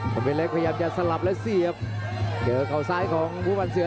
โคมเป็นเล็กพยายามจะสลับและเสียบเกลือเข้าซ้ายของผู้บรรเสือ